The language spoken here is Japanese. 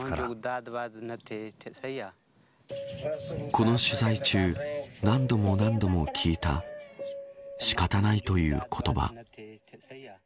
この取材中何度も何度も聞いた仕方ない、という言葉。